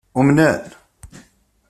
Umnen?